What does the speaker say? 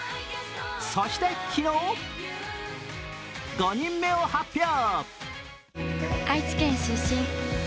そして昨日、５人目を発表。